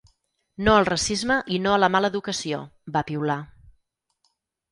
No al racisme i no a la mala educació, va piular.